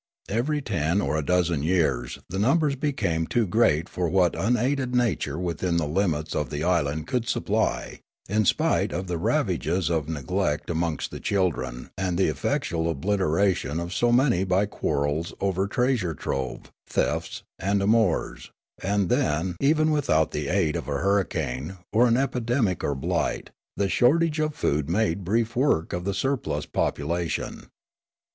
Every ten or a dozen years the numbers became too great for Sneekape 157 what unaided nature within the limits of the island could suppl}', in spite of the ravages of neglect amongst the children and the effectual obliteration of so many by quarrels over treasure trove, thefts, and amours ; and then, even without the aid of a hurricane, or an epidemic' or blight, the shortage of food made brief work of the surplus population.